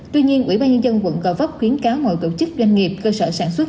tuy nhiên ủy ban nhân dân quận gò vấp khuyến cáo mọi tổ chức doanh nghiệp cơ sở sản xuất